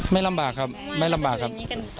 ไม่ลำบากครับไม่ลำบากครับ